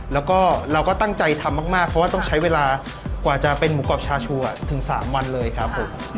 แล้วก็เราก็ตั้งใจทำมากเพราะว่าต้องใช้เวลากว่าจะเป็นหมูกรอบชาชัวถึง๓วันเลยครับผม